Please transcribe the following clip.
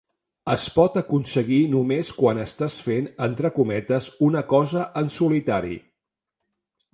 Es pot aconseguir només quan estàs fent -entre cometes- una cosa en solitari.